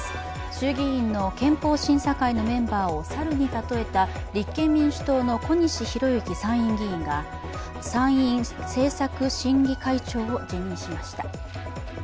衆議院の憲法審査会のメンバーを猿に例えた立憲民主党の小西洋之参院議員が参院政策審議会長を辞任しました。